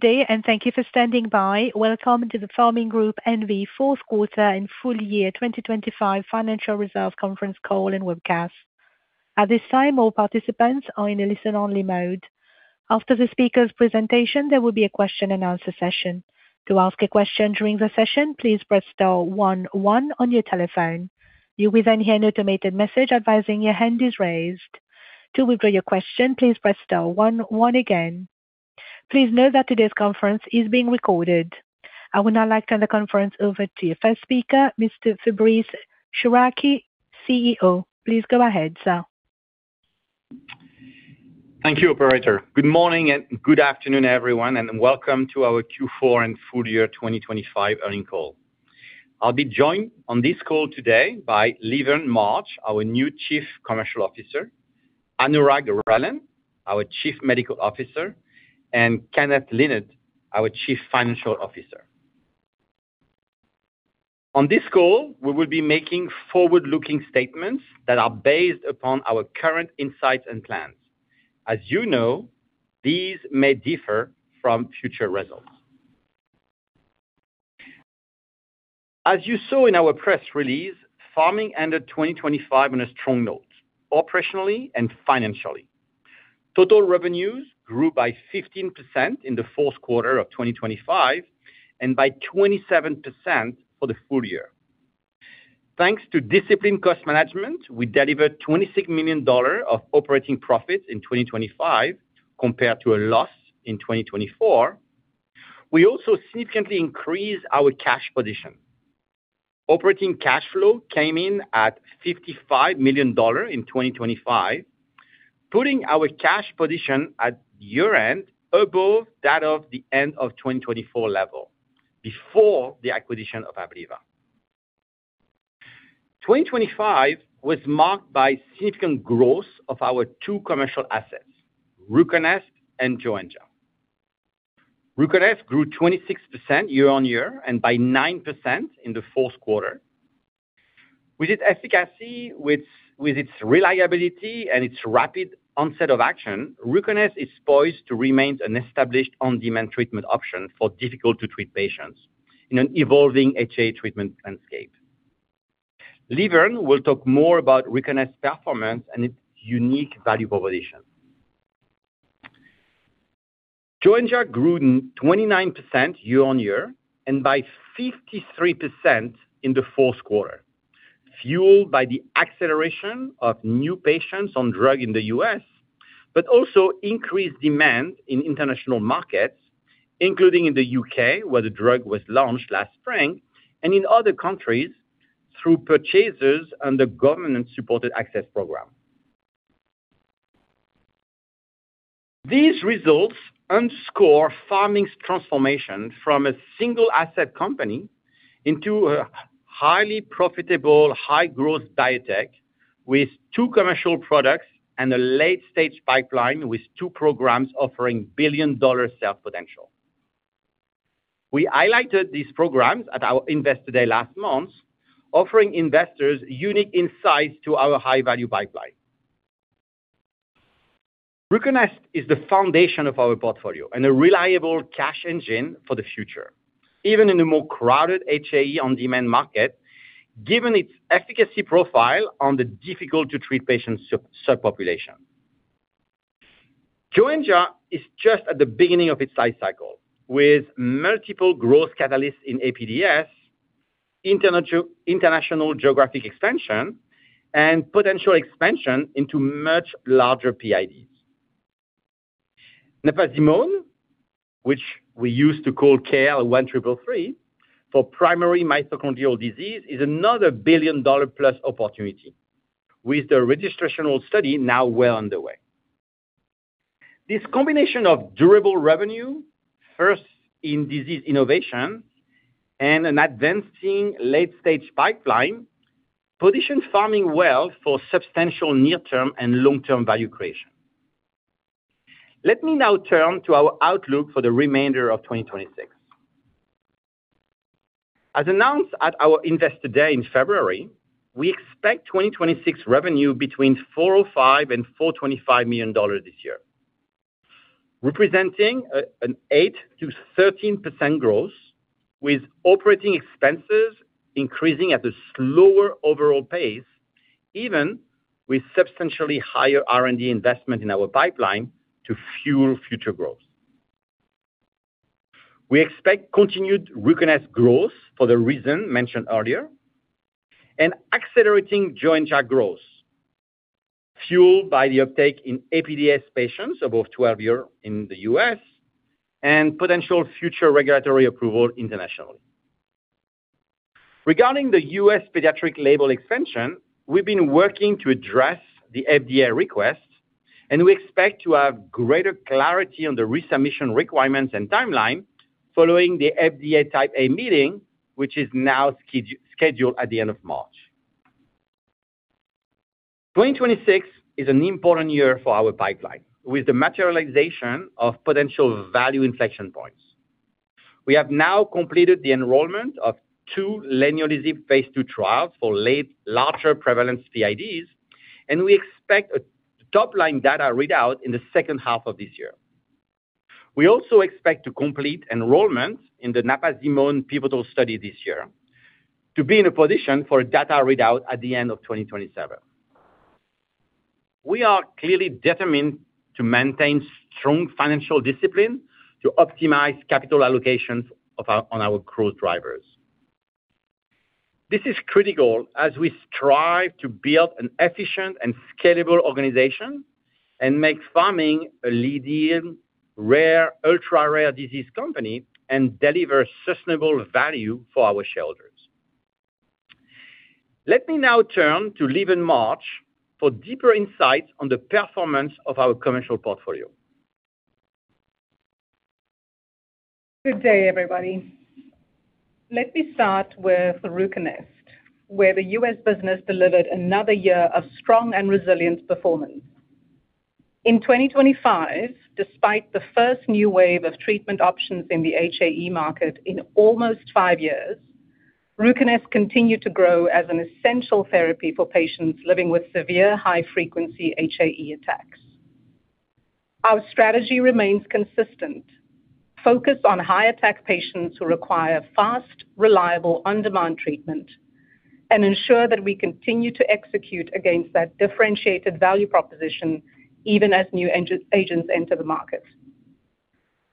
Good day, thank you for standing by. Welcome to the Pharming Group N.V. fourth quarter and full year 2025 financial results conference call and webcast. At this time, all participants are in a listen-only mode. After the speaker's presentation, there will be a question and answer session. To ask a question during the session, please press star one one on your telephone. You will then hear an automated message advising your hand is raised. To withdraw your question, please press star one one again. Please note that today's conference is being recorded. I would now like to hand the conference over to your first speaker, Mr. Fabrice Chouraqui, CEO. Please go ahead, sir. Thank you, operator. Good morning and good afternoon, everyone, and welcome to our Q4 and full year 2025 earnings call. I'll be joined on this call today by LaVerne Marsh, our new Chief Commercial Officer, Anurag Relan, our Chief Medical Officer, and Kenneth Lynard, our Chief Financial Officer. On this call, we will be making forward-looking statements that are based upon our current insights and plans. As you know, these may differ from future results. As you saw in our press release, Pharming ended 2025 on a strong note, operationally and financially. Total revenues grew by 15% in the fourth quarter of 2025, and by 27% for the full year. Thanks to disciplined cost management, we delivered $26 million of operating profit in 2025, compared to a loss in 2024. We also significantly increased our cash position. Operating cash flow came in at $55 million in 2025, putting our cash position at year-end above that of the end of 2024 level before the acquisition of Abliva. 2025 was marked by significant growth of our two commercial assets, RUCONEST and Joenja. RUCONEST grew 26% year-over-year and by 9% in the fourth quarter. With its efficacy, with its reliability and its rapid onset of action, RUCONEST is poised to remain an established on-demand treatment option for difficult to treat patients in an evolving HAE treatment landscape. LaVerne will talk more about RUCONEST performance and its unique value proposition. Joenja grew 29% year-over-year and by 53% in the fourth quarter, fueled by the acceleration of new patients on drug in the U.S., but also increased demand in international markets, including in the U.K., where the drug was launched last spring, and in other countries through purchases under government-supported access program. These results underscore Pharming's transformation from a single asset company into a highly profitable high-growth biotech with two commercial products and a late-stage pipeline with two programs offering billion-dollar sales potential. We highlighted these programs at our Investor Day last month, offering investors unique insights to our high-value pipeline. RUCONEST is the foundation of our portfolio and a reliable cash engine for the future, even in a more crowded HAE on-demand market, given its efficacy profile on the difficult to treat patient sub-subpopulation. Joenja is just at the beginning of its life cycle with multiple growth catalysts in APDS, international geographic expansion, and potential expansion into much larger PIDs. Napazimone, which we used to call KL1333 for primary mitochondrial disease is another billion-dollar-plus opportunity with the registrational study now well underway. This combination of durable revenue, first in disease innovation, and an advancing late-stage pipeline positions Pharming well for substantial near-term and long-term value creation. Let me now turn to our outlook for the remainder of 2026. As announced at our Investor Day in February, we expect 2026 revenue between $405 million and $425 million this year, representing an 8%-13% growth, with operating expenses increasing at a slower overall pace, even with substantially higher R&D investment in our pipeline to fuel future growth. We expect continued RUCONEST growth for the reason mentioned earlier and accelerating Joenja growth fueled by the uptake in APDS patients above 12 years in the U.S. and potential future regulatory approval internationally. Regarding the U.S. pediatric label expansion, we've been working to address the FDA request, and we expect to have greater clarity on the resubmission requirements and timeline following the FDA Type A meeting, which is now scheduled at the end of March. 2026 is an important year for our pipeline with the materialization of potential value inflection points. We have now completed the enrollment of two leniolisib phase II trials for lower prevalence PIDs, and we expect a top-line data readout in the second half of this year. We also expect to complete enrollment in the napazimone pivotal study this year to be in a position for a data readout at the end of 2027. We are clearly determined to maintain strong financial discipline to optimize capital allocations on our growth drivers. This is critical as we strive to build an efficient and scalable organization and make Pharming a leading rare, ultra-rare disease company and deliver sustainable value for our shareholders. Let me now turn to LaVerne Marsh for deeper insights on the performance of our commercial portfolio. Good day, everybody. Let me start with RUCONEST, where the U.S. business delivered another year of strong and resilient performance. In 2025, despite the first new wave of treatment options in the HAE market in almost five years, RUCONEST continued to grow as an essential therapy for patients living with severe high-frequency HAE attacks. Our strategy remains consistent. Focus on high-attack patients who require fast, reliable, on-demand treatment and ensure that we continue to execute against that differentiated value proposition even as new agents enter the market.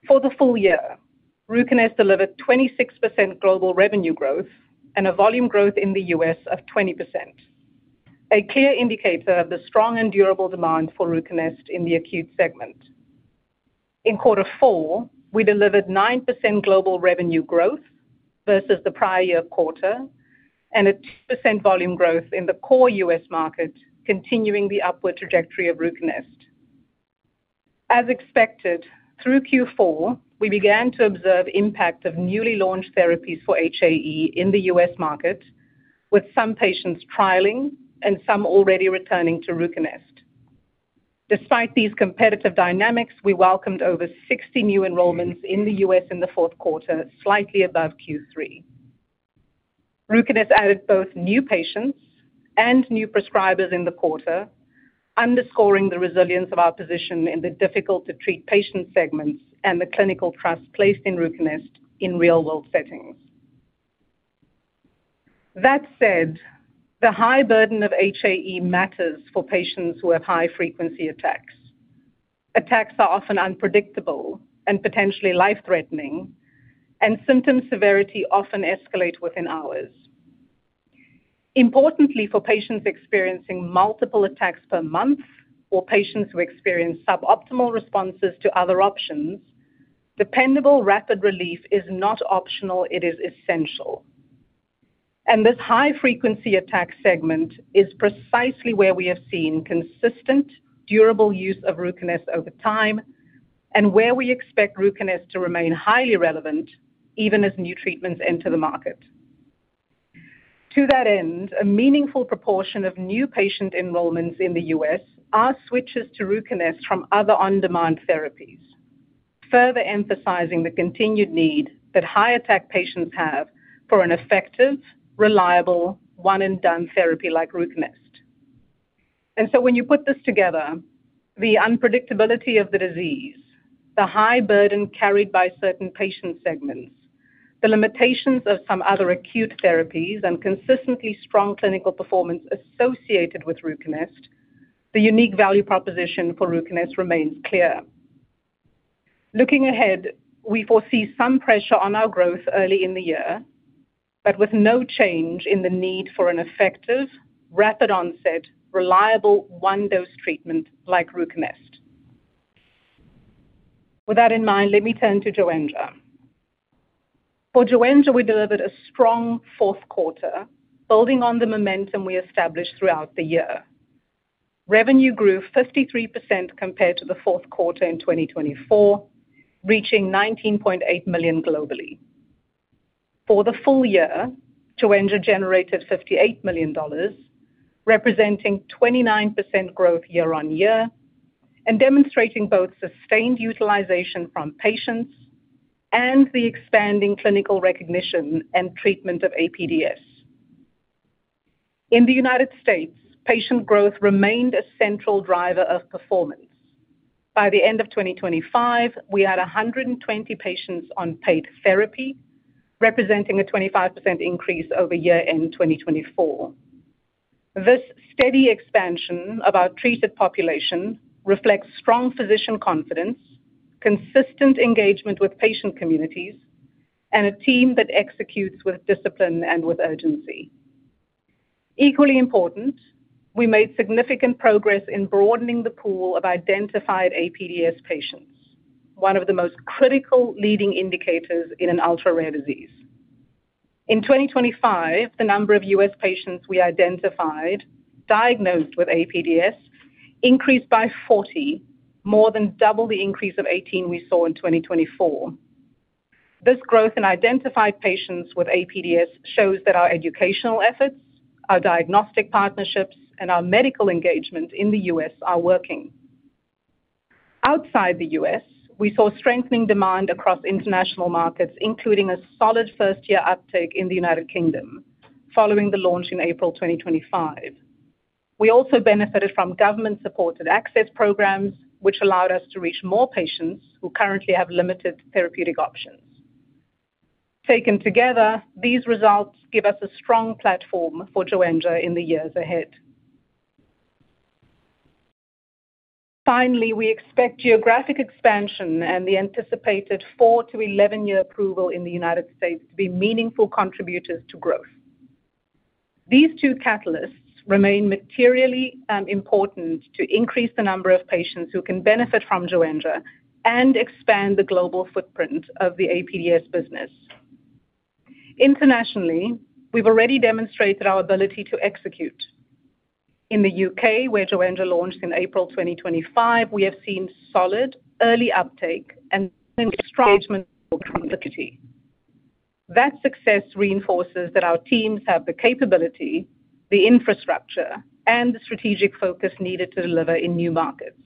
For the full year, RUCONEST delivered 26% global revenue growth and a volume growth in the U.S. of 20%. A clear indicator of the strong and durable demand for RUCONEST in the acute segment. In quarter four, we delivered 9% global revenue growth versus the prior year quarter and a 2% volume growth in the core U.S. market, continuing the upward trajectory of RUCONEST. As expected, through Q4, we began to observe impact of newly launched therapies for HAE in the U.S. market, with some patients trialing and some already returning to RUCONEST. Despite these competitive dynamics, we welcomed over 60 new enrollments in the U.S. in the fourth quarter, slightly above Q3. RUCONEST added both new patients and new prescribers in the quarter, underscoring the resilience of our position in the difficult-to-treat patient segments and the clinical trust placed in RUCONEST in real-world settings. That said, the high burden of HAE matters for patients who have high-frequency attacks. Attacks are often unpredictable and potentially life-threatening, and symptom severity often escalate within hours. Importantly, for patients experiencing multiple attacks per month, or patients who experience suboptimal responses to other options, dependable rapid relief is not optional, it is essential. This high-frequency attack segment is precisely where we have seen consistent, durable use of RUCONEST over time and where we expect RUCONEST to remain highly relevant even as new treatments enter the market. To that end, a meaningful proportion of new patient enrollments in the U.S. are switches to RUCONEST from other on-demand therapies, further emphasizing the continued need that high-attack patients have for an effective, reliable one-and-done therapy like RUCONEST. When you put this together, the unpredictability of the disease, the high burden carried by certain patient segments, the limitations of some other acute therapies, and consistently strong clinical performance associated with RUCONEST, the unique value proposition for RUCONEST remains clear. Looking ahead, we foresee some pressure on our growth early in the year, but with no change in the need for an effective, rapid-onset, reliable one-dose treatment like RUCONEST. With that in mind, let me turn to Joenja. For Joenja, we delivered a strong fourth quarter, building on the momentum we established throughout the year. Revenue grew 53% compared to the fourth quarter in 2024, reaching $19.8 million globally. For the full year, Joenja generated $58 million, representing 29% growth year-on-year and demonstrating both sustained utilization from patients and the expanding clinical recognition and treatment of APDS. In the United States, patient growth remained a central driver of performance. By the end of 2025, we had 120 patients on paid therapy, representing a 25% increase over year-end 2024. This steady expansion of our treated population reflects strong physician confidence, consistent engagement with patient communities, and a team that executes with discipline and with urgency. Equally important, we made significant progress in broadening the pool of identified APDS patients, one of the most critical leading indicators in an ultra-rare disease. In 2025, the number of U.S. patients we identified diagnosed with APDS increased by 40, more than double the increase of 18 we saw in 2024. This growth in identified patients with APDS shows that our educational efforts, our diagnostic partnerships, and our medical engagement in the U.S. are working. Outside the U.S., we saw strengthening demand across international markets, including a solid first-year uptake in the United Kingdom following the launch in April 2025. We also benefited from government-supported access programs, which allowed us to reach more patients who currently have limited therapeutic options. Taken together, these results give us a strong platform for Joenja in the years ahead. Finally, we expect geographic expansion and the anticipated four to 11-year approval in the United States to be meaningful contributors to growth. These two catalysts remain materially important to increase the number of patients who can benefit from Joenja and expand the global footprint of the APDS business. Internationally, we've already demonstrated our ability to execute. In the U.K., where Joenja launched in April 2025, we have seen solid early uptake and strong engagement for complexity. That success reinforces that our teams have the capability, the infrastructure, and the strategic focus needed to deliver in new markets.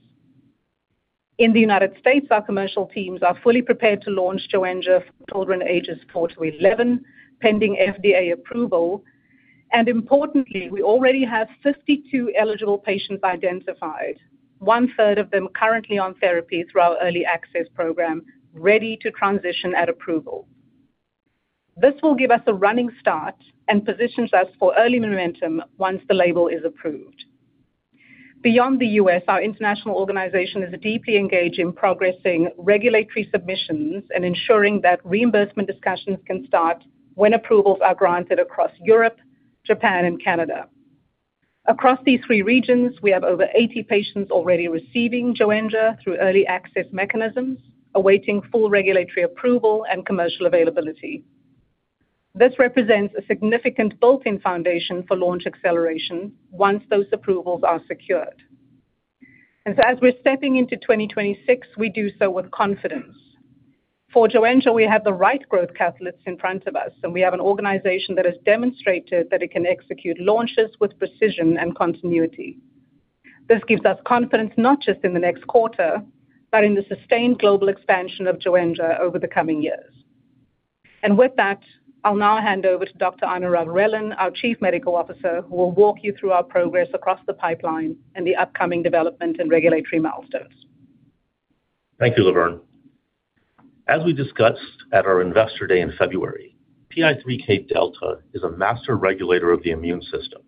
In the United States, our commercial teams are fully prepared to launch Joenja for children ages four to 11, pending FDA approval. Importantly, we already have 52 eligible patients identified, one-third of them currently on therapy through our early access program, ready to transition at approval. This will give us a running start and positions us for early momentum once the label is approved. Beyond the U.S., our international organization is deeply engaged in progressing regulatory submissions and ensuring that reimbursement discussions can start when approvals are granted across Europe, Japan, and Canada. Across these three regions, we have over 80 patients already receiving Joenja through early access mechanisms, awaiting full regulatory approval and commercial availability. This represents a significant built-in foundation for launch acceleration once those approvals are secured. As we're stepping into 2026, we do so with confidence. For Joenja, we have the right growth catalysts in front of us, and we have an organization that has demonstrated that it can execute launches with precision and continuity. This gives us confidence not just in the next quarter, but in the sustained global expansion of Joenja over the coming years. With that, I'll now hand over to Dr. Anurag Relan, our Chief Medical Officer, who will walk you through our progress across the pipeline and the upcoming development and regulatory milestones. Thank you, LaVerne. As we discussed at our Investor Day in February, PI3K delta is a master regulator of the immune system,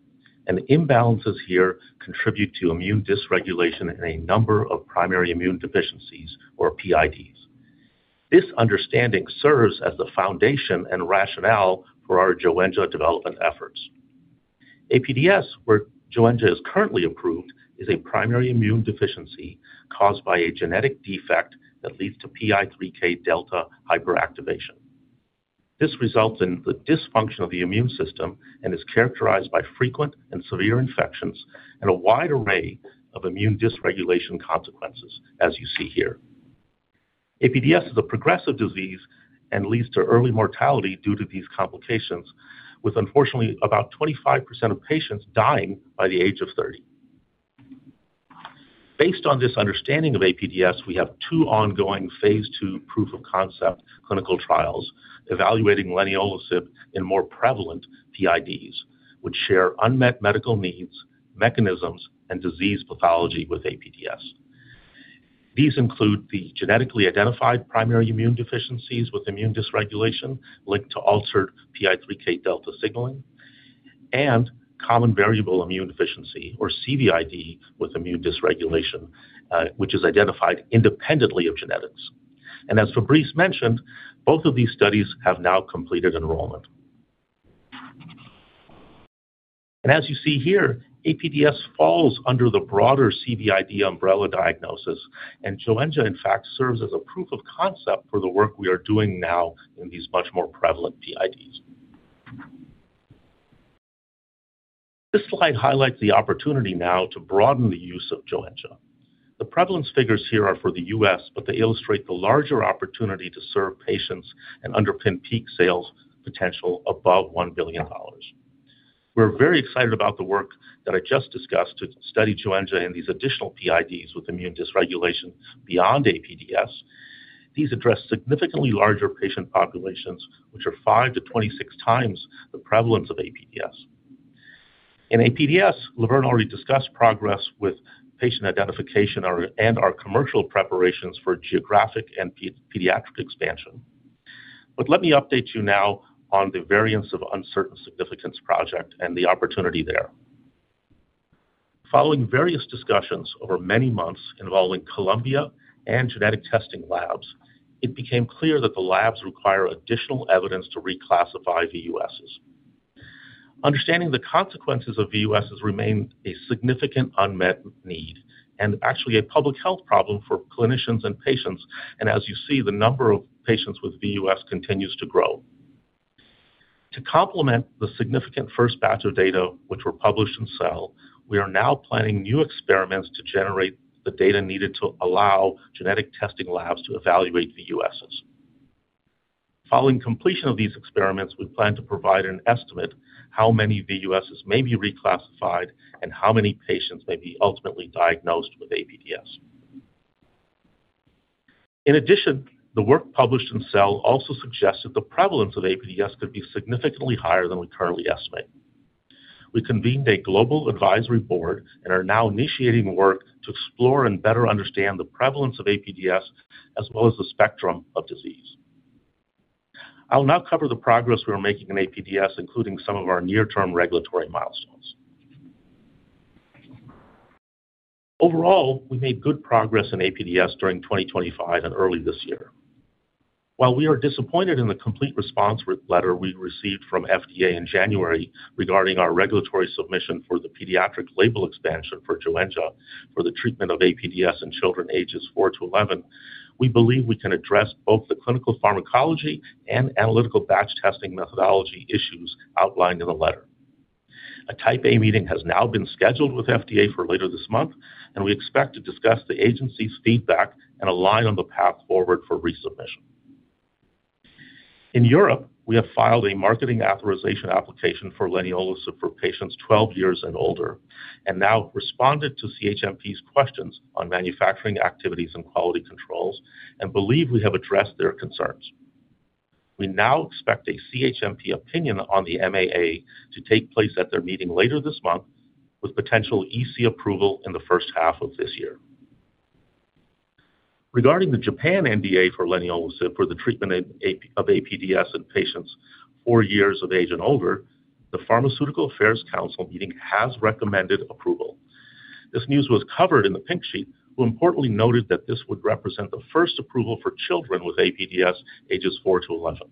and imbalances here contribute to immune dysregulation in a number of primary immune deficiencies or PIDs. This understanding serves as the foundation and rationale for our Joenja development efforts. APDS, where Joenja is currently approved, is a primary immune deficiency caused by a genetic defect that leads to PI3K delta hyperactivation. This results in the dysfunction of the immune system and is characterized by frequent and severe infections and a wide array of immune dysregulation consequences, as you see here. APDS is a progressive disease and leads to early mortality due to these complications, with unfortunately about 25% of patients dying by the age of 30. Based on this understanding of APDS, we have two ongoing phase II proof-of-concept clinical trials evaluating leniolisib in more prevalent PIDs, which share unmet medical needs, mechanisms, and disease pathology with APDS. These include the genetically identified primary immune deficiencies with immune dysregulation linked to altered PI3K delta signaling and common variable immune deficiency, or CVID, with immune dysregulation, which is identified independently of genetics. As Fabrice mentioned, both of these studies have now completed enrollment. As you see here, APDS falls under the broader CVID umbrella diagnosis, and Joenja, in fact, serves as a proof of concept for the work we are doing now in these much more prevalent PIDs. This slide highlights the opportunity now to broaden the use of Joenja. The prevalence figures here are for the U.S., but they illustrate the larger opportunity to serve patients and underpin peak sales potential above $1 billion. We're very excited about the work that I just discussed to study Joenja in these additional PIDs with immune dysregulation beyond APDS. These address significantly larger patient populations, which are five to 26 times the prevalence of APDS. In APDS, LaVerne already discussed progress with patient identification and our commercial preparations for geographic and pediatric expansion. Let me update you now on the variants of uncertain significance project and the opportunity there. Following various discussions over many months involving Columbia and genetic testing labs, it became clear that the labs require additional evidence to reclassify VUSs. Understanding the consequences of VUSs remain a significant unmet need and actually a public health problem for clinicians and patients. As you see, the number of patients with VUS continues to grow. To complement the significant first batch of data which were published in Cell, we are now planning new experiments to generate the data needed to allow genetic testing labs to evaluate VUSs. Following completion of these experiments, we plan to provide an estimate how many VUSs may be reclassified and how many patients may be ultimately diagnosed with APDS. In addition, the work published in Cell also suggests that the prevalence of APDS could be significantly higher than we currently estimate. We convened a global advisory board and are now initiating work to explore and better understand the prevalence of APDS, as well as the spectrum of disease. I will now cover the progress we are making in APDS, including some of our near-term regulatory milestones. Overall, we made good progress in APDS during 2025 and early this year. While we are disappointed in the complete response letter we received from FDA in January regarding our regulatory submission for the pediatric label expansion for Joenja for the treatment of APDS in children ages four to 11, we believe we can address both the clinical pharmacology and analytical batch testing methodology issues outlined in the letter. A Type A meeting has now been scheduled with FDA for later this month, and we expect to discuss the agency's feedback and align on the path forward for resubmission. In Europe, we have filed a marketing authorization application for leniolisib for patients 12 years and older, and now responded to CHMP's questions on manufacturing activities and quality controls and believe we have addressed their concerns. We now expect a CHMP opinion on the MAA to take place at their meeting later this month, with potential EC approval in the first half of this year. Regarding the Japan NDA for leniolisib for the treatment of APDS in patients four years of age and over, the Pharmaceutical Affairs and Food Sanitation Council meeting has recommended approval. This news was covered in the Pink Sheet, who importantly noted that this would represent the first approval for children with APDS ages four to eleven.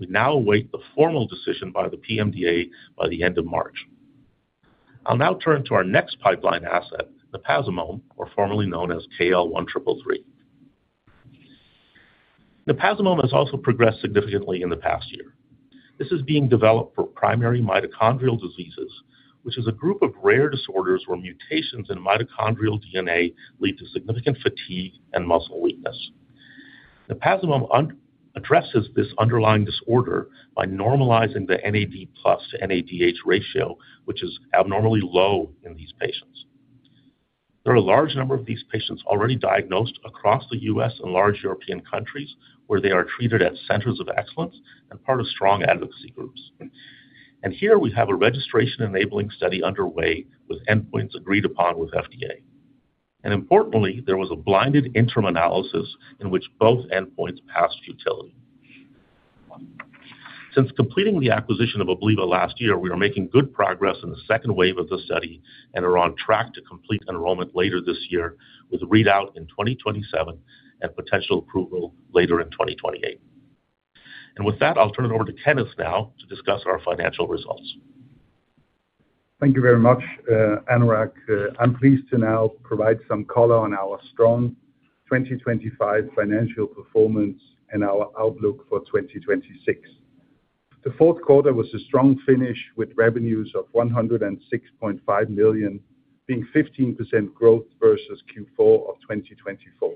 We now await the formal decision by the PMDA by the end of March. I'll now turn to our next pipeline asset, napazimone, or formerly known as KL1333. Napazimone has also progressed significantly in the past year. This is being developed for primary mitochondrial diseases, which is a group of rare disorders where mutations in mitochondrial DNA lead to significant fatigue and muscle weakness. Napazimone addresses this underlying disorder by normalizing the NAD+ to NADH ratio, which is abnormally low in these patients. There are a large number of these patients already diagnosed across the U.S. and large European countries, where they are treated at centers of excellence and part of strong advocacy groups. Here we have a registration-enabling study underway with endpoints agreed upon with FDA. Importantly, there was a blinded interim analysis in which both endpoints passed futility. Since completing the acquisition of Abliva last year, we are making good progress in the second wave of the study and are on track to complete enrollment later this year, with readout in 2027 and potential approval later in 2028. With that, I'll turn it over to Kenneth now to discuss our financial results. Thank you very much, Anurag. I'm pleased to now provide some color on our strong 2025 financial performance and our outlook for 2026. The fourth quarter was a strong finish, with revenues of 106.5 million, being 15% growth versus Q4 of 2024.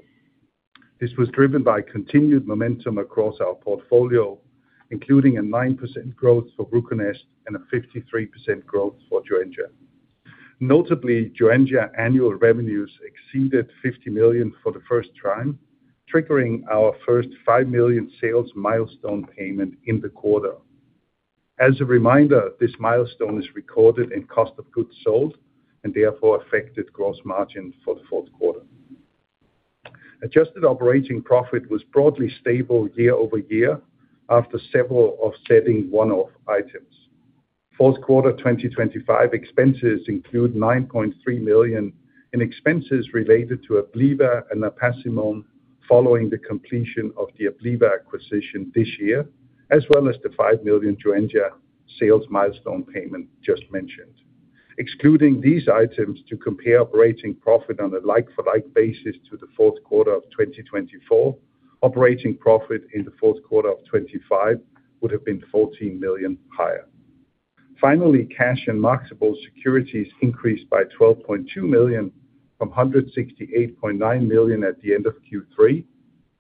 This was driven by continued momentum across our portfolio, including a 9% growth for RUCONEST and a 53% growth for Joenja. Notably, Joenja annual revenues exceeded 50 million for the first time, triggering our first 5 million sales milestone payment in the quarter. As a reminder, this milestone is recorded in cost of goods sold and therefore affected gross margin for the fourth quarter. Adjusted operating profit was broadly stable year-over-year after several offsetting one-off items. Fourth quarter 2025 expenses include 9.3 million in expenses related to Abliva and napazimone following the completion of the Abliva acquisition this year, as well as the 5 million Joenja sales milestone payment just mentioned. Excluding these items to compare operating profit on a like-for-like basis to the fourth quarter of 2024, operating profit in the fourth quarter of 2025 would have been 14 million higher. Finally, cash and marketable securities increased by 12.2 million from 168.9 million at the end of Q3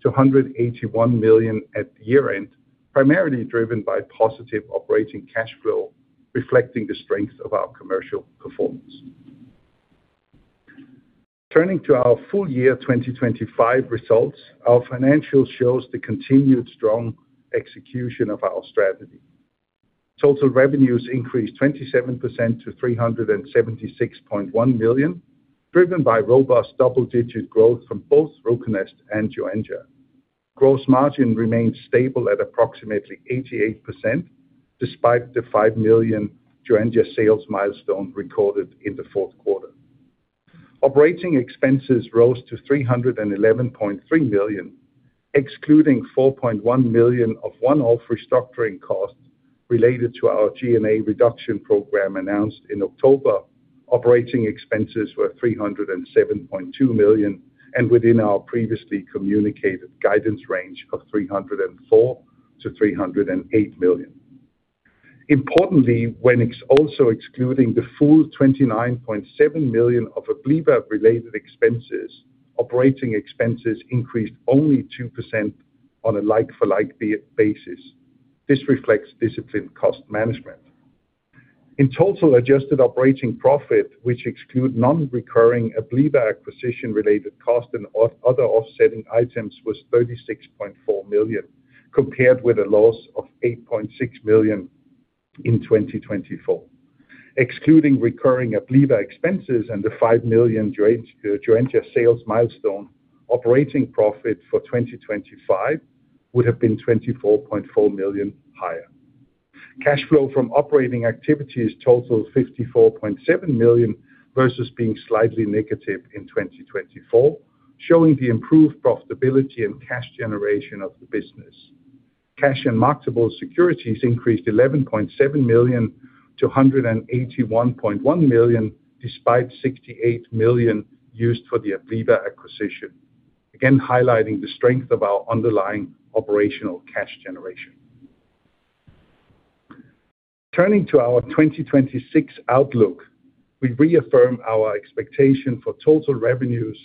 to 181 million at year-end, primarily driven by positive operating cash flow, reflecting the strength of our commercial performance. Turning to our full year 2025 results, our financials shows the continued strong execution of our strategy. Total revenues increased 27% to 376.1 million, driven by robust double-digit growth from both RUCONEST and Joenja. Gross margin remained stable at approximately 88% despite the 5 million Joenja sales milestone recorded in the fourth quarter. Operating expenses rose to 311.3 million. Excluding 4.1 million of one-off restructuring costs related to our G&A reduction program announced in October, operating expenses were 307.2 million and within our previously communicated guidance range of 304-308 million. Importantly, when also excluding the full 29.7 million of Abliva related expenses, operating expenses increased only 2% on a like for like basis. This reflects disciplined cost management. In total, adjusted operating profit, which excludes non-recurring Abliva acquisition related costs and other offsetting items, was 36.4 million, compared with a loss of 8.6 million in 2024. Excluding recurring Abliva expenses and the 5 million Joenja sales milestone, operating profit for 2025 would have been 24.4 million higher. Cash flow from operating activities totals 54.7 million versus being slightly negative in 2024, showing the improved profitability and cash generation of the business. Cash and marketable securities increased 11.7 million to 181.1 million, despite 68 million used for the Abliva acquisition. Again, highlighting the strength of our underlying operational cash generation. Turning to our 2026 outlook, we reaffirm our expectation for total revenues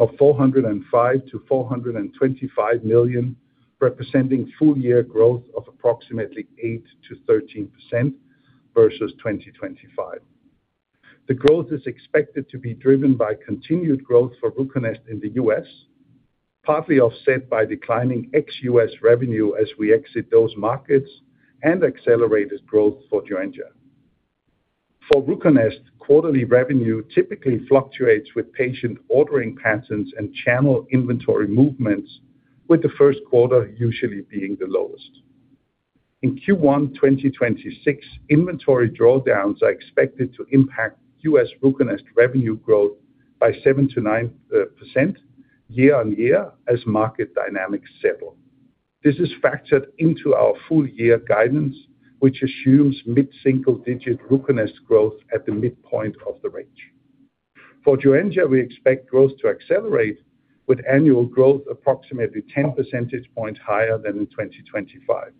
of 405 million-425 million, representing full year growth of approximately 8%-13% versus 2025. The growth is expected to be driven by continued growth for RUCONEST in the US, partly offset by declining ex-US revenue as we exit those markets and accelerated growth for Joenja. For RUCONEST, quarterly revenue typically fluctuates with patient ordering patterns and channel inventory movements, with the first quarter usually being the lowest. In Q1 2026 inventory drawdowns are expected to impact US RUCONEST revenue growth by 7%-9% year-over-year as market dynamics settle. This is factored into our full year guidance, which assumes mid-single-digit RUCONEST growth at the midpoint of the range. For Joenja, we expect growth to accelerate with annual growth approximately 10 percentage points higher than in 2025.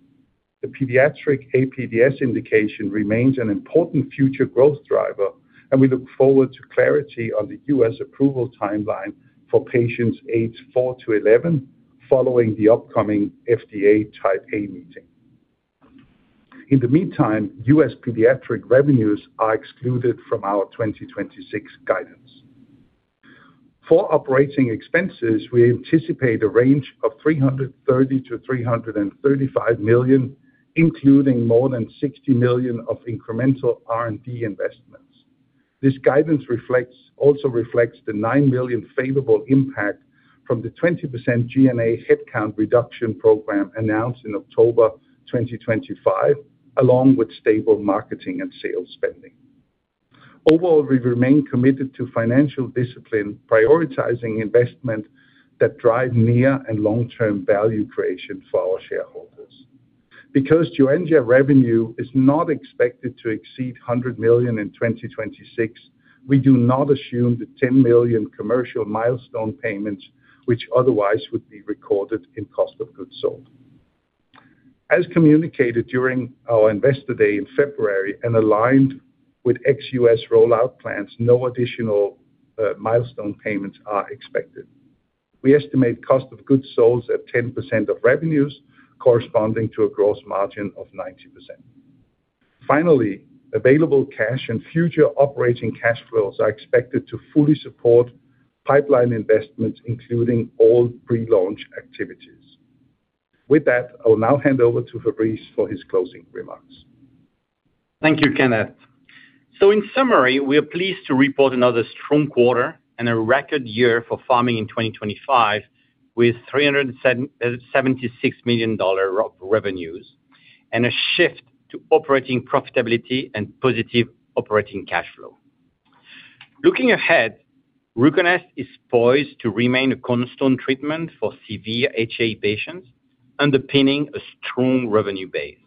The pediatric APDS indication remains an important future growth driver, and we look forward to clarity on the U.S. approval timeline for patients aged four to 11 following the upcoming FDA Type A meeting. In the meantime, U.S. pediatric revenues are excluded from our 2026 guidance. For operating expenses, we anticipate a range of 330 million-335 million, including more than 60 million of incremental R&D investments. This guidance reflects the 9 million favorable impact from the 20% G&A headcount reduction program announced in October 2025, along with stable marketing and sales spending. Overall, we remain committed to financial discipline, prioritizing investment that drive near and long-term value creation for our shareholders. Because Joenja revenue is not expected to exceed 100 million in 2026, we do not assume the 10 million commercial milestone payments which otherwise would be recorded in cost of goods sold. As communicated during our Investor Day in February and aligned with ex-US rollout plans, no additional milestone payments are expected. We estimate cost of goods sold at 10% of revenues, corresponding to a gross margin of 90%. Finally, available cash and future operating cash flows are expected to fully support pipeline investments, including all pre-launch activities. With that, I will now hand over to Fabrice for his closing remarks. Thank you, Kenneth. In summary, we are pleased to report another strong quarter and a record year for Pharming in 2025 with $76 million of revenues and a shift to operating profitability and positive operating cash flow. Looking ahead, RUCONEST is poised to remain a cornerstone treatment for severe HAE patients, underpinning a strong revenue base.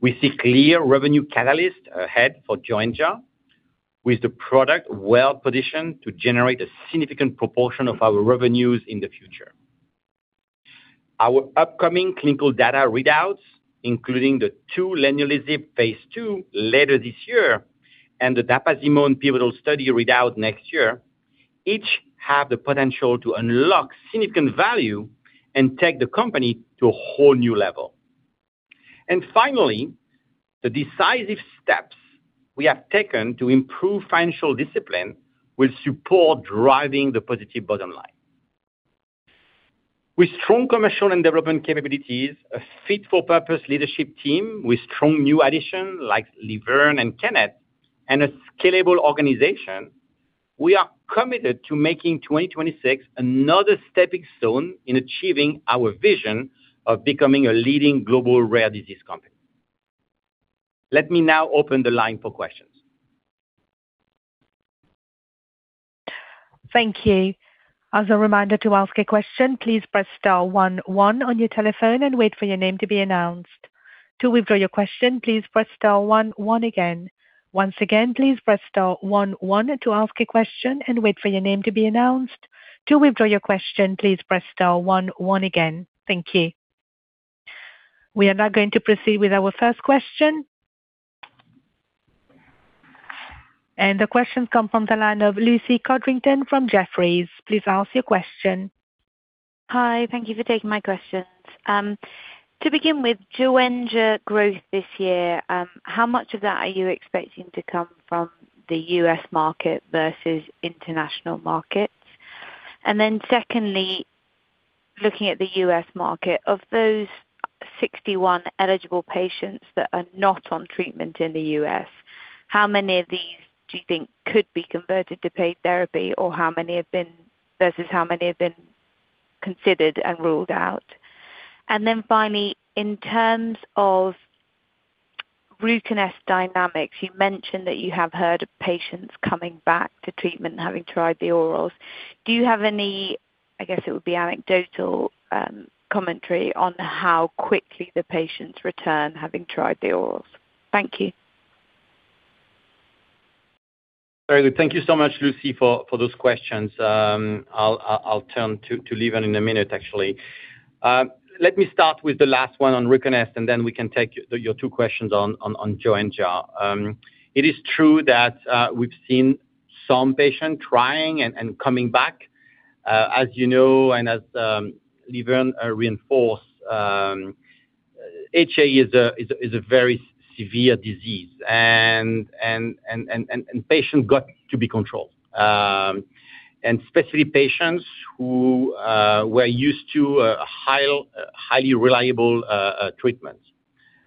We see clear revenue catalyst ahead for Joenja, with the product well positioned to generate a significant proportion of our revenues in the future. Our upcoming clinical data readouts, including the leniolisib phase II later this year and the napazimone pivotal study readout next year, each have the potential to unlock significant value and take the company to a whole new level. Finally, the decisive steps we have taken to improve financial discipline will support driving the positive bottom line. With strong commercial and development capabilities, a fit-for-purpose leadership team with strong new additions like LaVerne and Kenneth and a scalable organization, we are committed to making 2026 another stepping stone in achieving our vision of becoming a leading global rare disease company. Let me now open the line for questions. Thank you. As a reminder to ask a question, please press star one one on your telephone and wait for your name to be announced. To withdraw your question, please press star one one again. Once again, please press star one one to ask a question and wait for your name to be announced. To withdraw your question, please press star one one again. Thank you. We are now going to proceed with our first question. The question comes from the line of Lucy Codrington from Jefferies. Please ask your question. Hi. Thank you for taking my questions. To begin with, Joenja growth this year, how much of that are you expecting to come from the US market versus international markets? Secondly, looking at the US market, of those 61 eligible patients that are not on treatment in the US, how many of these do you think could be converted to paid therapy or how many have been considered versus how many have been ruled out? Finally, in terms of RUCONEST dynamics, you mentioned that you have heard of patients coming back to treatment having tried the orals. Do you have any, I guess, it would be anecdotal, commentary on how quickly the patients return having tried the orals? Thank you. Very good. Thank you so much, Lucy, for those questions. I'll turn to LaVerne in a minute, actually. Let me start with the last one on RUCONEST, and then we can take your two questions on Joenja. It is true that we've seen some patients trying and coming back. As you know, and as LaVerne reinforced, HA is a very severe disease and patients got to be controlled. Especially patients who were used to a highly reliable treatment.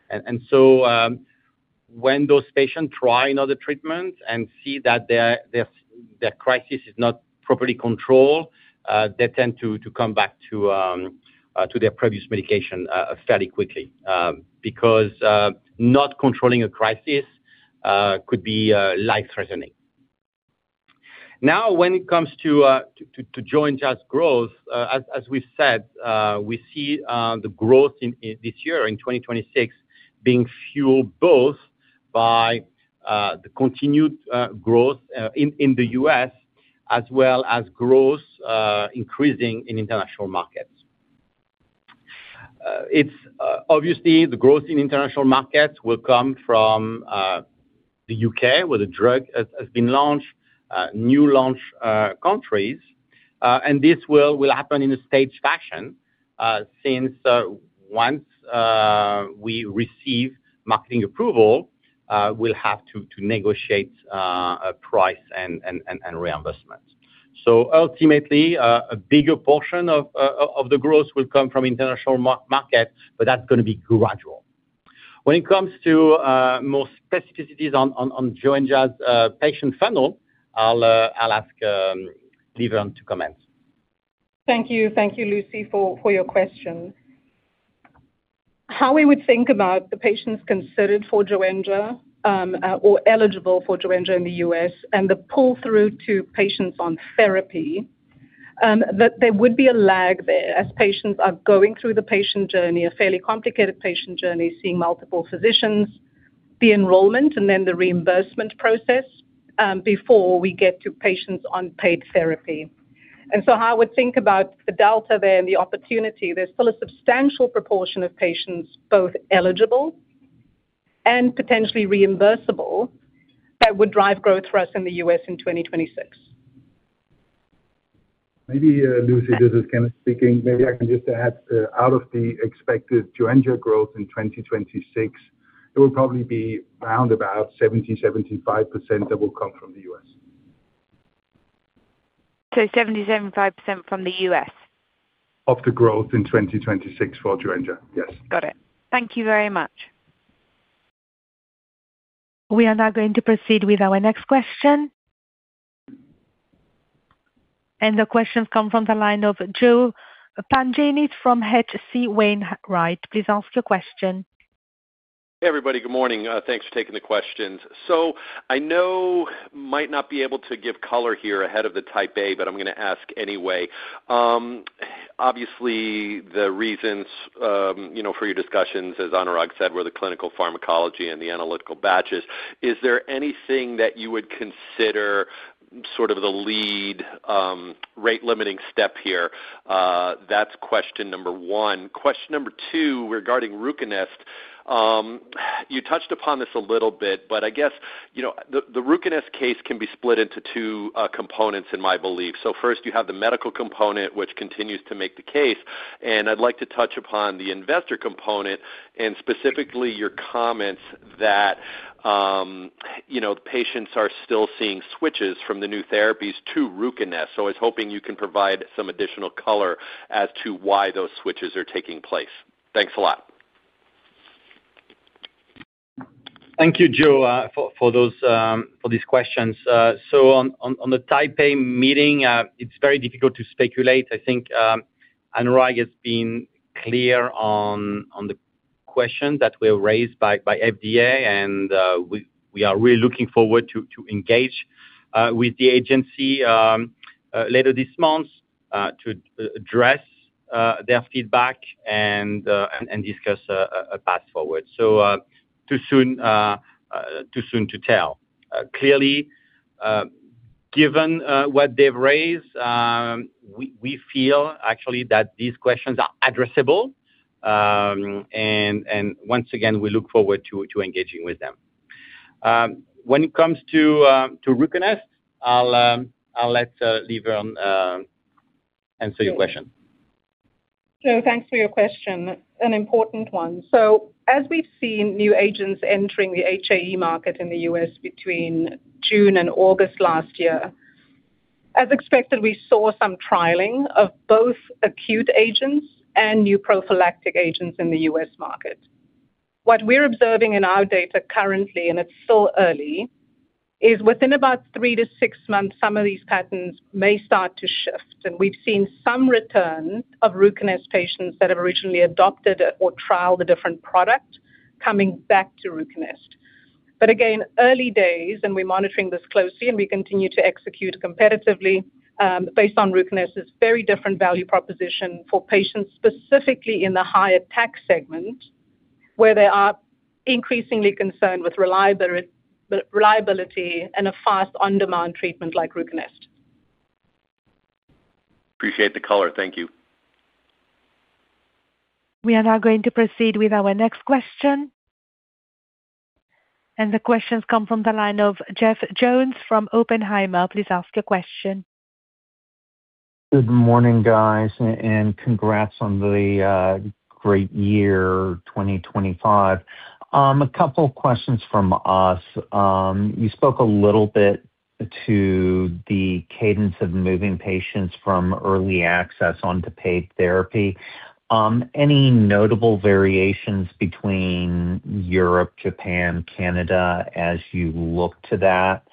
When those patients try another treatment and see that their crisis is not properly controlled, they tend to come back to their previous medication fairly quickly, because not controlling a crisis could be life-threatening. Now, when it comes to Joenja's growth, as we said, we see the growth in this year in 2026 being fueled both by the continued growth in the U.S. as well as growth increasing in international markets. It's obviously the growth in international markets will come from the U.K., where the drug has been launched, new launch countries. This will happen in a staged fashion, since once we receive marketing approval, we'll have to negotiate a price and reimbursement. Ultimately, a bigger portion of the growth will come from international market, but that's going to be gradual. When it comes to more specifics on Joenja's patient funnel, I'll ask LaVerne to comment. Thank you. Thank you, Lucy, for your question. How we would think about the patients considered for Joenja or eligible for Joenja in the US and the pull-through to patients on therapy, that there would be a lag there as patients are going through the patient journey, a fairly complicated patient journey, seeing multiple physicians, the enrollment and then the reimbursement process, before we get to patients on paid therapy. How I would think about the delta there and the opportunity, there's still a substantial proportion of patients both eligible and potentially reimbursable that would drive growth for us in the US in 2026. Maybe, Lucy, this is Kenneth speaking. Maybe I can just add, out of the expected Joenja growth in 2026, it will probably be around about 70%-75% that will come from the US. 70-75% from the U.S.? Of the growth in 2026 for Joenja. Yes. Got it. Thank you very much. We are now going to proceed with our next question. The question comes from the line of Joseph Pantginis from H.C. Wainwright & Co. Please ask your question. Hey, everybody. Good morning. Thanks for taking the questions. I know might not be able to give color here ahead of the Type A, but I'm going to ask anyway. Obviously the reasons, you know, for your discussions, as Anurag said, were the clinical pharmacology and the analytical batches. Is there anything that you would consider sort of the lead, rate-limiting step here? That's question number one. Question number two regarding RUCONEST. You touched upon this a little bit, but I guess, you know, the RUCONEST case can be split into two components in my belief. First you have the medical component, which continues to make the case, and I'd like to touch upon the investor component and specifically your comments that, you know, patients are still seeing switches from the new therapies to RUCONEST. I was hoping you can provide some additional color as to why those switches are taking place. Thanks a lot. Thank you, Joe, for these questions. On the Type A meeting, it's very difficult to speculate. I think Anurag has been clear on the questions that were raised by FDA, and we are really looking forward to engage with the agency later this month to address their feedback and discuss a path forward. Too soon to tell. Clearly, given what they've raised, we feel actually that these questions are addressable. And once again, we look forward to engaging with them. When it comes to RUCONEST, I'll let LaVerne answer your question. Joe, thanks for your question. An important one. As we've seen new agents entering the HAE market in the U.S. between June and August last year, as expected, we saw some trialing of both acute agents and new prophylactic agents in the U.S. market. What we're observing in our data currently, and it's still early, is within about three to six months, some of these patterns may start to shift. We've seen some return of RUCONEST patients that have originally adopted or trialed a different product coming back to RUCONEST. Again, early days, and we're monitoring this closely, and we continue to execute competitively, based on RUCONEST's very different value proposition for patients, specifically in the high attack segment, where they are increasingly concerned with reliability and a fast on-demand treatment like RUCONEST. Appreciate the color. Thank you. We are now going to proceed with our next question. The question's come from the line of Jeff Jones from Oppenheimer. Please ask your question. Good morning, guys, and congrats on the great year 2025. A couple of questions from us. You spoke a little bit to the cadence of moving patients from early access onto paid therapy. Any notable variations between Europe, Japan, Canada as you look to that?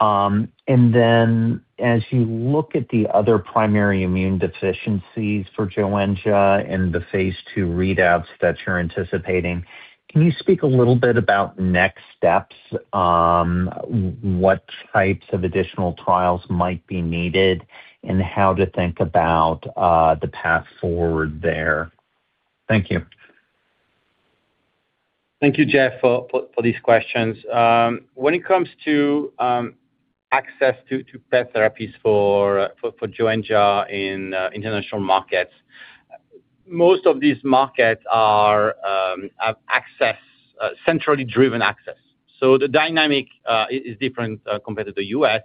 And then as you look at the other primary immune deficiencies for Joenja and the phase II readouts that you're anticipating, can you speak a little bit about next steps, what types of additional trials might be needed and how to think about the path forward there? Thank you. Thank you, Jeff, for these questions. When it comes to access to paid therapies for Joenja in international markets, most of these markets have centrally driven access. The dynamic is different compared to the U.S.,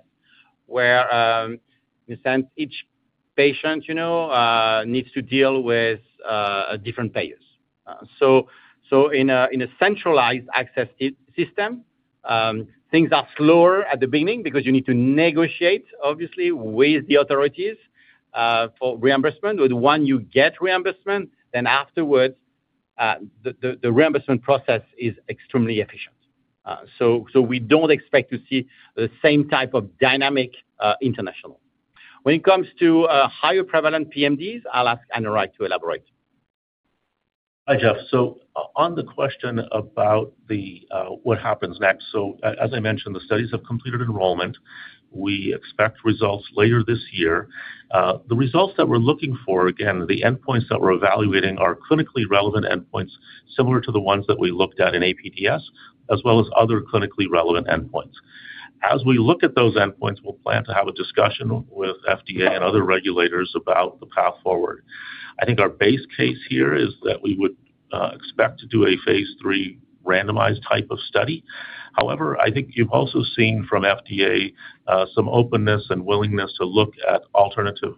where in a sense, each patient, you know, needs to deal with different payers. In a centralized access system, things are slower at the beginning because you need to negotiate, obviously, with the authorities for reimbursement. Once you get reimbursement, then afterwards, the reimbursement process is extremely efficient. We don't expect to see the same type of dynamic international. When it comes to higher prevalent PMDs, I'll ask Anurag to elaborate. Hi, Jeff. On the question about the what happens next. As I mentioned, the studies have completed enrollment. We expect results later this year. The results that we're looking for, again, the endpoints that we're evaluating are clinically relevant endpoints similar to the ones that we looked at in APDS, as well as other clinically relevant endpoints. As we look at those endpoints, we'll plan to have a discussion with FDA and other regulators about the path forward. I think our base case here is that we would expect to do a phase III randomized type of study. However, I think you've also seen from FDA some openness and willingness to look at alternative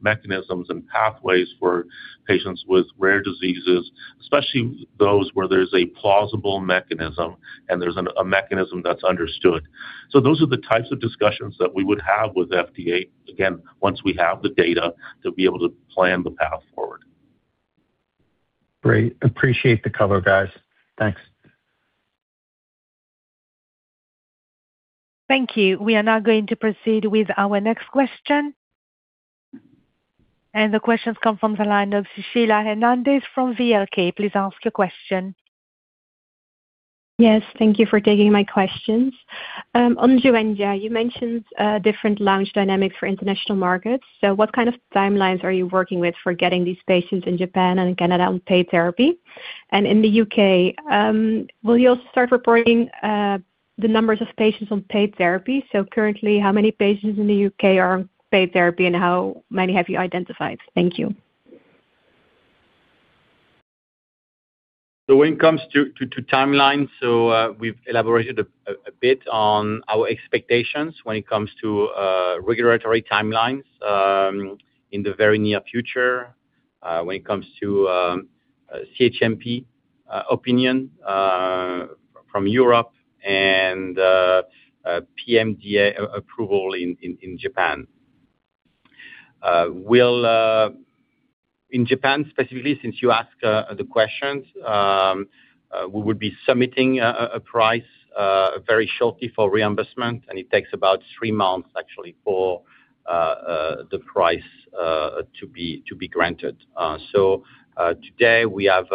mechanisms and pathways for patients with rare diseases, especially those where there's a plausible mechanism and there's a mechanism that's understood. Those are the types of discussions that we would have with FDA, again, once we have the data to be able to plan the path forward. Great. Appreciate the color, guys. Thanks. Thank you. We are now going to proceed with our next question. The question's come from the line of Sheila Hernandez from VRK. Please ask your question. Yes. Thank you for taking my questions. On Joenja, you mentioned different launch dynamics for international markets. What kind of timelines are you working with for getting these patients in Japan and Canada on paid therapy? And in the UK, will you start reporting the numbers of patients on paid therapy? Currently, how many patients in the UK are on paid therapy, and how many have you identified? Thank you. When it comes to timeline, we've elaborated a bit on our expectations when it comes to regulatory timelines in the very near future, when it comes to CHMP opinion from Europe and PMDA approval in Japan. We will in Japan specifically, since you asked the questions, we would be submitting a price very shortly for reimbursement, and it takes about three months actually for the price to be granted. Today we have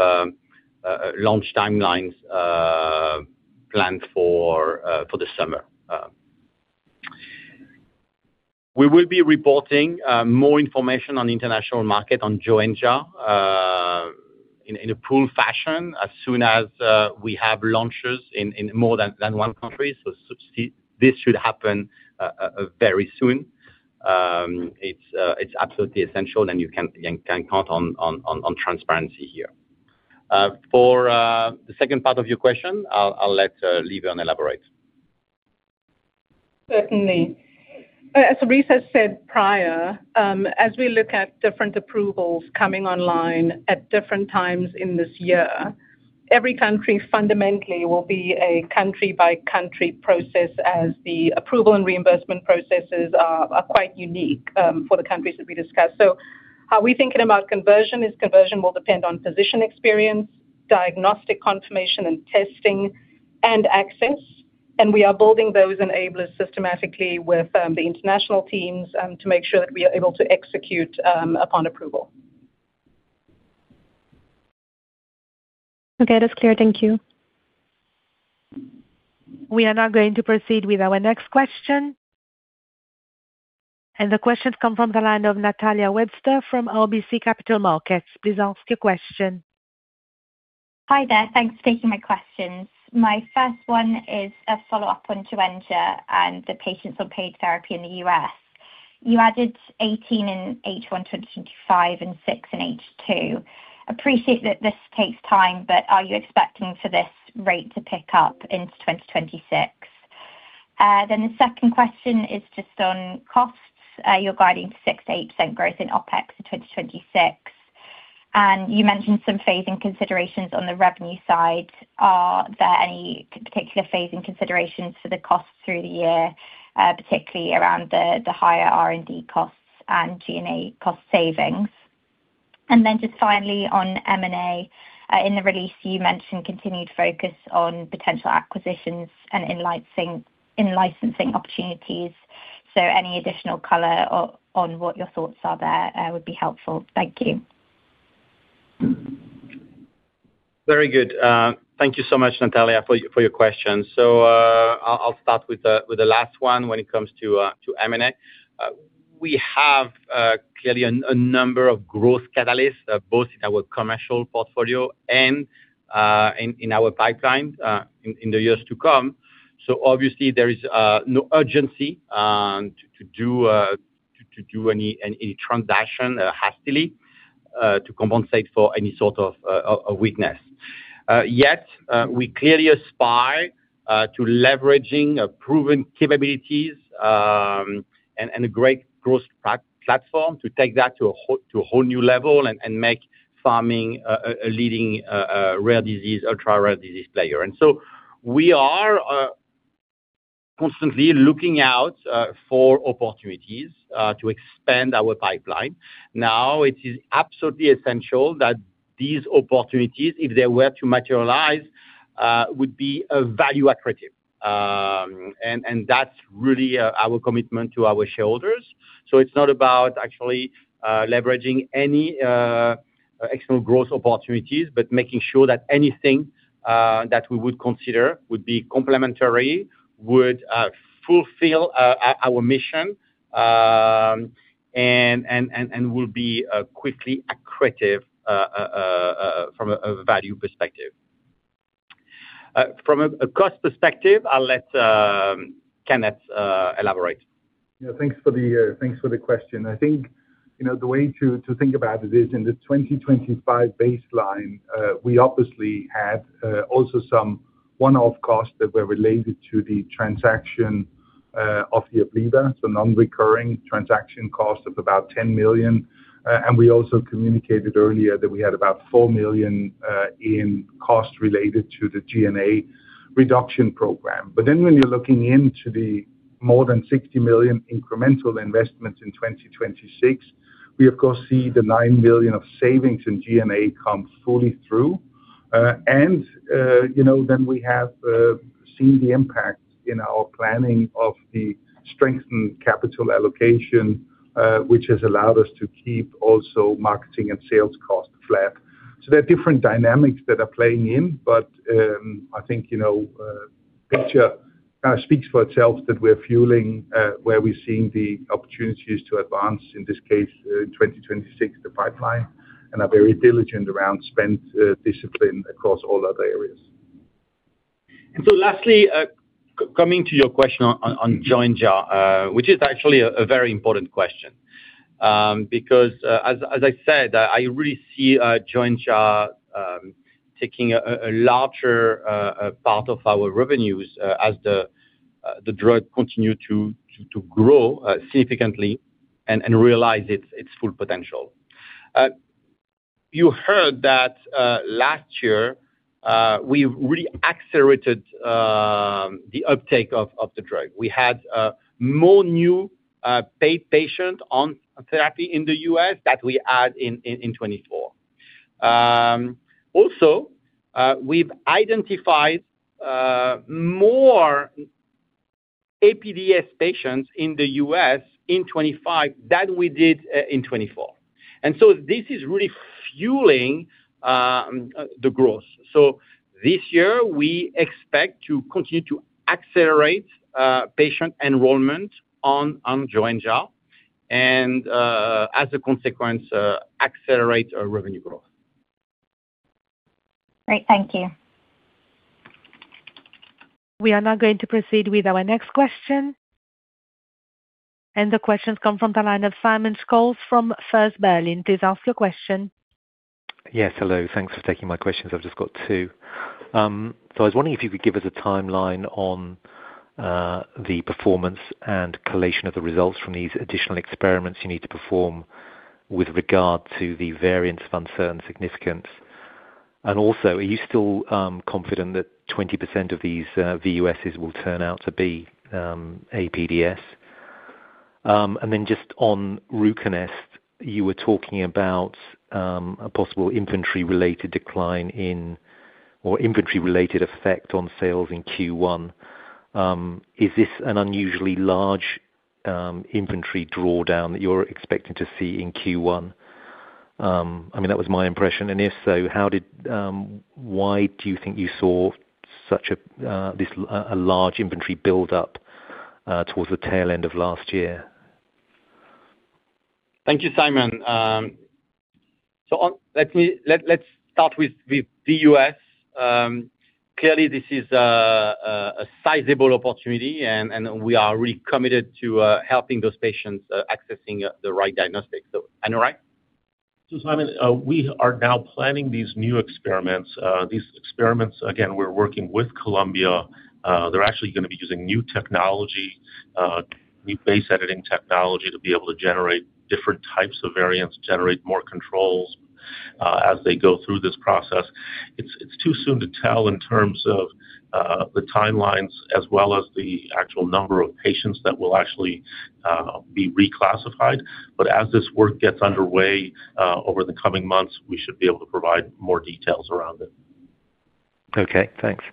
launch timelines planned for the summer. We will be reporting more information on international market on Joenja in a pooled fashion as soon as we have launches in more than one country. This should happen very soon. It's absolutely essential, and you can count on transparency here. For the second part of your question, I'll let LaVerne elaborate. Certainly. As Fabrice said prior, as we look at different approvals coming online at different times in this year, every country fundamentally will be a country-by-country process as the approval and reimbursement processes are quite unique for the countries that we discussed. How we thinking about conversion is conversion will depend on physician experience, diagnostic confirmation and testing, and access. We are building those enablers systematically with the international teams to make sure that we are able to execute upon approval. Okay. That's clear. Thank you. We are now going to proceed with our next question. The question comes from the line of Natalia Webster from RBC Capital Markets. Please ask your question. Hi there. Thanks for taking my questions. My first one is a follow-up on Joenja and the patients on paid therapy in the U.S. You added 18 in H1 2025 and six in H2. Appreciate that this takes time, but are you expecting for this rate to pick up into 2026? The second question is just on costs. You're guiding 6%-8% growth in OpEx in 2026. You mentioned some phasing considerations on the revenue side. Are there any particular phasing considerations for the costs through the year, particularly around the higher R&D costs and G&A cost savings? Just finally on M&A. In the release, you mentioned continued focus on potential acquisitions and in-licensing opportunities. Any additional color on what your thoughts are there would be helpful. Thank you. Very good. Thank you so much, Natalia, for your questions. I'll start with the last one when it comes to M&A. We have clearly a number of growth catalysts both in our commercial portfolio and in our pipeline in the years to come. Obviously there is no urgency to do any transaction hastily to compensate for any sort of a weakness. Yet we clearly aspire to leveraging proven capabilities and a great growth platform to take that to a whole new level and make Pharming a leading rare disease or ultra-rare disease player. We are constantly looking out for opportunities to expand our pipeline. Now, it is absolutely essential that these opportunities, if they were to materialize, would be value accretive. That's really our commitment to our shareholders. It's not about actually leveraging any external growth opportunities, but making sure that anything that we would consider would be complementary would fulfill our mission, and will be quickly accretive from a value perspective. From a cost perspective, I'll let Kenneth elaborate. Yeah, thanks for the question. I think, you know, the way to think about it is in the 2025 baseline, we obviously had also some one-off costs that were related to the transaction of the Abliva, so non-recurring transaction cost of about 10 million. We also communicated earlier that we had about 4 million in costs related to the G&A reduction program. When you're looking into the more than 60 million incremental investments in 2026, we of course see the 9 billion of savings in G&A come fully through. You know, then we have seen the impact in our planning of the strengthened capital allocation, which has allowed us to keep also marketing and sales costs flat. There are different dynamics that are playing in, but, I think, you know, picture speaks for itself that we're fueling where we're seeing the opportunities to advance, in this case, 2026, the pipeline, and are very diligent around spend discipline across all other areas. Lastly, coming to your question on Joenja, which is actually a very important question. Because as I said, I really see Joenja taking a larger part of our revenues as the drug continue to grow significantly and realize its full potential. You heard that last year we really accelerated the uptake of the drug. We had more new paid patient on therapy in the US that we had in 2024. Also, we've identified more APDS patients in the US in 2025 than we did in 2024. This is really fueling the growth. This year we expect to continue to accelerate patient enrollment on Joenja and as a consequence accelerate our revenue growth. Great. Thank you. We are now going to proceed with our next question. The question come from the line of Simon Scholes from First Berlin. Please ask your question. Yes. Hello. Thanks for taking my questions. I've just got two. So I was wondering if you could give us a timeline on the performance and collation of the results from these additional experiments you need to perform with regard to the variants of uncertain significance. And also, are you still confident that 20% of these VUSs will turn out to be APDS? And then just on RUCONEST, you were talking about a possible inventory-related decline in or inventory-related effect on sales in Q1. Is this an unusually large inventory drawdown that you're expecting to see in Q1? I mean, that was my impression. And if so, why do you think you saw such a large inventory build up towards the tail end of last year? Thank you, Simon. Let's start with VUS. Clearly this is a sizable opportunity and we are really committed to helping those patients accessing the right diagnostic. Anurag? Simon, we are now planning these new experiments. These experiments, again, we're working with Columbia. They're actually gonna be using new technology, new base editing technology to be able to generate different types of variants, generate more controls, as they go through this process. It's too soon to tell in terms of the timelines as well as the actual number of patients that will actually be reclassified. But as this work gets underway, over the coming months, we should be able to provide more details around it. Okay, thanks.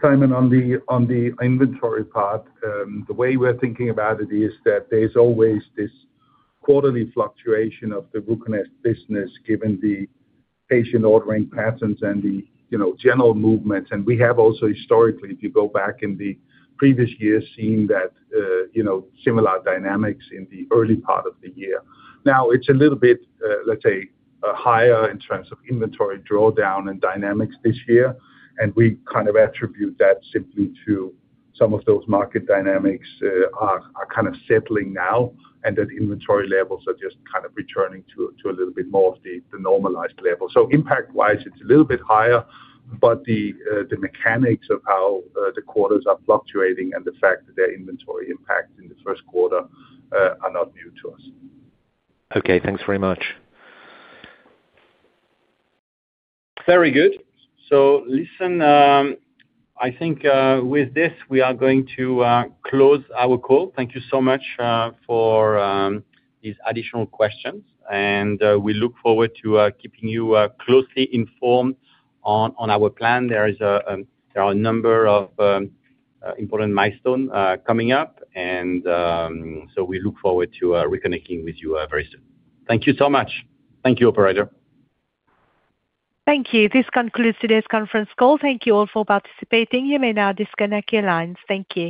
Simon, on the inventory part, the way we're thinking about it is that there's always this quarterly fluctuation of the RUCONEST business given the patient ordering patterns and the you know general movement. We have also historically, if you go back in the previous years, seen that you know similar dynamics in the early part of the year. Now it's a little bit let's say higher in terms of inventory drawdown and dynamics this year, and we kind of attribute that simply to some of those market dynamics are kind of settling now, and that inventory levels are just kind of returning to a little bit more of the normalized level. Impact wise it's a little bit higher, but the mechanics of how the quarters are fluctuating and the fact that their inventory impact in the first quarter are not new to us. Okay. Thanks very much. Very good. Listen, I think with this we are going to close our call. Thank you so much for these additional questions and we look forward to keeping you closely informed on our plan. There are a number of important milestone coming up and so we look forward to reconnecting with you very soon. Thank you so much. Thank you, operator. Thank you. This concludes today's conference call. Thank you all for participating. You may now disconnect your lines. Thank you.